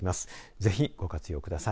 ぜひご活用ください。